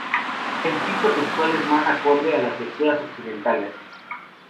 El tipo textual es más acorde a las lecturas occidentales.